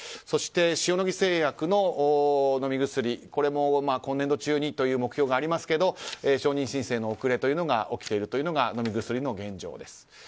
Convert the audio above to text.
そして、塩野義製薬の飲み薬も今年度中にという目標がありますが承認申請に遅れが発生しているというのが飲み薬の現状です。